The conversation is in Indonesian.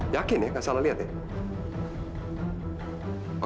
yakin ya gak salah liat ya